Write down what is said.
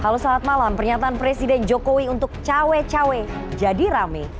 halo selamat malam pernyataan presiden jokowi untuk cawe cawe jadi rame